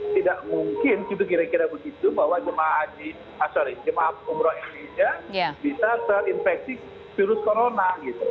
sehingga tidak mungkin kira kira begitu bahwa jemaah haji ah sorry jemaah umroh indonesia bisa terinfeksi virus corona gitu